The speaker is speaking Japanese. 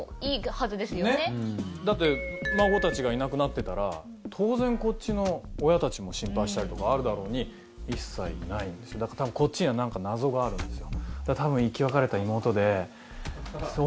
だって孫たちがいなくなってたら当然こっちの親たちも心配したりとかあるだろうに一切ないんですよだからこっちには何か謎があるんですよ。